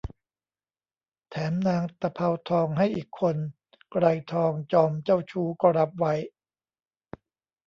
แถมนางตะเภาทองให้อีกคน ไกรทองจอมเจ้าชู้ก็รับไว้